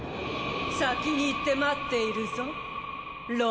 先に行って待っているぞ。。